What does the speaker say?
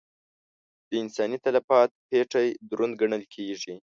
د انساني تلفاتو پېټی دروند ګڼل کېږي.